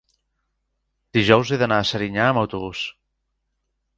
dijous he d'anar a Serinyà amb autobús.